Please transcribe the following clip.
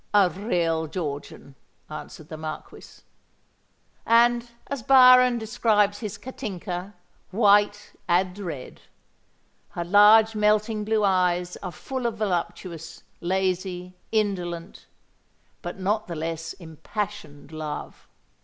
"A real Georgian," answered the Marquis; "and, as Byron describes his Katinka, 'white and red.' Her large melting blue eyes are full of voluptuous, lazy, indolent, but not the less impassioned love.